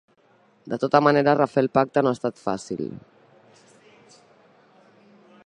De tota manera, refer el Pacte no ha estat fàcil.